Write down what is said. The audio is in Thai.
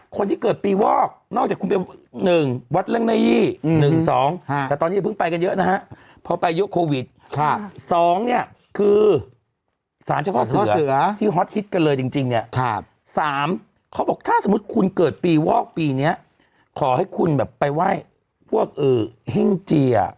คนที่เกิดปีวอกนอกจากคุณเป็น๑วัฒน์เร่งในยี่๒สารเจ้าข้อเสือ๓ถ้าสมมุติคุณเกิดปีวอกปีนี้ขอให้คุณไปไหว้พวกอื่อเฮ่งเจีย